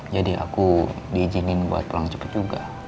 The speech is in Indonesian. jadi aku diizinin buat pulang cepet juga